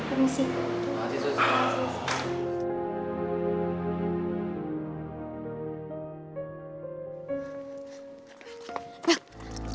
terima kasih suster